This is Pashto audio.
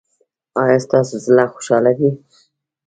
ایا ستاسو زړه خوشحاله دی؟